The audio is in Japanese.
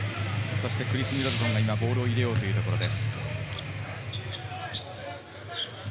そしてクリスがボールを入れようというところです。